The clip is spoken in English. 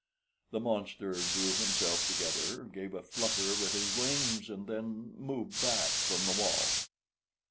The monster drew himself together, gave a flutter with his wings, and then moved back from the wall.